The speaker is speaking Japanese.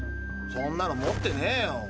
そんなの持ってねえよ。